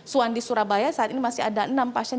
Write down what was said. suandi surabaya saat ini masih ada enam pasien